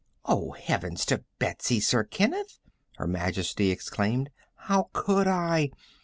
"Oh, heavens to Betsy, Sir Kenneth," Her Majesty exclaimed. "How could I?